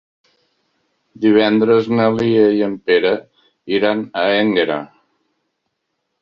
Divendres na Lia i en Pere iran a Énguera.